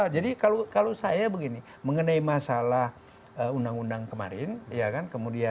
jadi kalau saya begini mengenai masalah undang undang kemarin